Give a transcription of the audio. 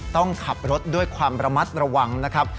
ต้องขับรถด้วยความระมัดระวังนะครับ